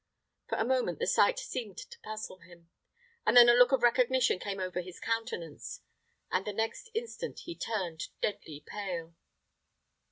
For a moment the sight seemed to puzzle him; but then a look of recognition came over his countenance; and the next instant he turned deadly pale.